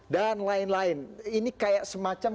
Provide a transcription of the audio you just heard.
dan lain lain ini kayak semacam